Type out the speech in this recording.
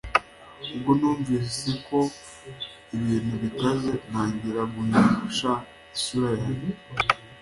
ubwo njye numvise ko ibintu bikaze ntangira guhisha isura yanjye